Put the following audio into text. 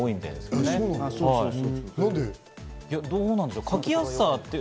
どうしてでしょう？